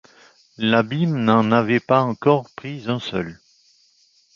L’abîme n’en avait pas encore pris un seul.